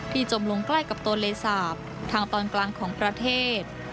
จมลงใกล้กับตัวเลสาปทางตอนกลางของประเทศ